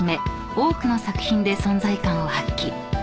多くの作品で存在感を発揮］